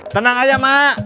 tenang aja mak